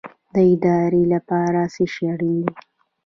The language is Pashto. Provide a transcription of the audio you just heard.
د ارادې لپاره څه شی اړین دی؟